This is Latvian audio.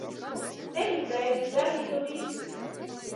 Tevis dēļ es darītu visu.